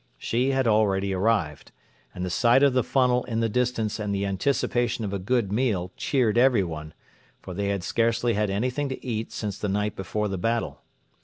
She had already arrived, and the sight of the funnel in the distance and the anticipation of a good meal cheered everyone, for they had scarcely had anything to eat since the night before the battle.